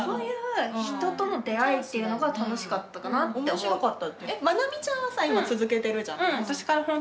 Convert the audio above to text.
面白かった。